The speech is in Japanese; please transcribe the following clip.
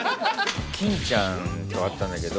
欽ちゃんと会ったんだけど。